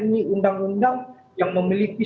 ini undang undang yang memiliki